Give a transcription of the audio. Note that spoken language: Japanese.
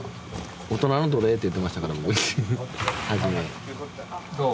大人の奴隷って言ってましたから僕に初めどう？